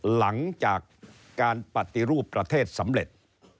หลังจากการปฏิรูปประเทศสำเร็จ